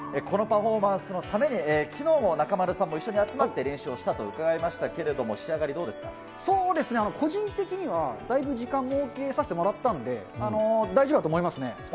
このパフォーマンスのために、きのうも中丸さんも一緒に集まって練習をしたと伺いましたけれどそうですね、個人的には、だいぶ時間設けさせてもらったんで大丈夫だと思いますね。